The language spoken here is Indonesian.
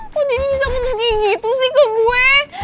kok deddy bisa menunggi gitu sih ke gue